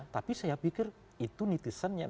tapi saya pikir itu netizen yang